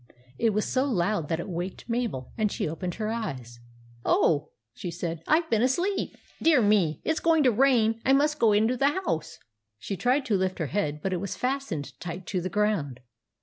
It was so loud that it waked Mabel, and she opened her eyes. " Oh !" she said, " I Ve been asleep. Dear me ! It 's going to rain ; I must go into the house." no THE ADVENTURES OF MABEL She tried to lift her head ; but it was fast ened tight to the ground.